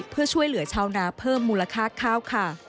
เพื่อช่วยเหลือชาวนาเพิ่มมูลค่าข้าวค่ะ